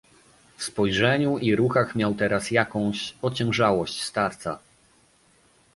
"W spojrzeniu i ruchach miał teraz jakąś ociężałość starca."